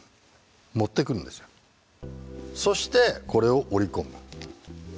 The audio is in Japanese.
そしてこれを折り込む。